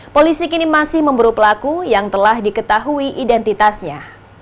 polisi kini masih memburu pelaku yang telah diketahui identitasnya